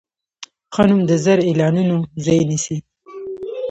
ښه نوم د زر اعلانونو ځای نیسي.